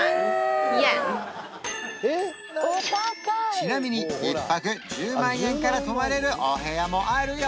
ちなみに１泊１０万円から泊まれるお部屋もあるよ